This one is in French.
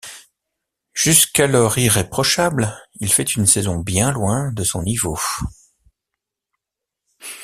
Jusqu'alors irréprochable, il fait une saison bien loin de son niveau.